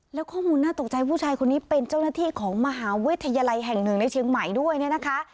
แล้วข้อมูลน่าตกใจผู้ชายคนนี้เป็นเจ้าหน้าที่ของมหาวิทยาลัยแห่งหนึ่งในเชียงใหม่ด้วยเนี่ยนะคะ